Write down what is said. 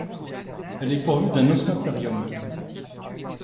Elle est pourvue d'un osmaterium.